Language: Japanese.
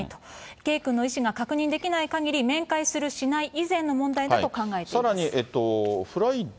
圭君の意思が確認できないかぎり、面会する、しない以前の問題だと考えています。